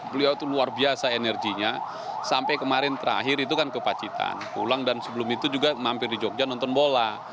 beliau itu luar biasa energinya sampai kemarin terakhir itu kan ke pacitan pulang dan sebelum itu juga mampir di jogja nonton bola